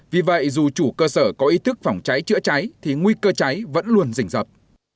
vì vậy dù chủ cơ sở có ý thức phòng trái chữa trái thì nguy cơ trái vẫn luôn dình dập